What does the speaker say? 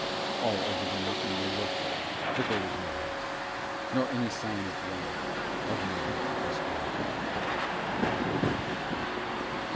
All over the mountain they looked but there was no house, nor any sign of dwelling of man or spirit.